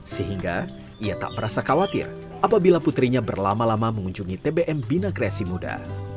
sehingga ia tak merasa khawatir apabila putrinya berlama lama mengunjungi tbm bina kreasi muda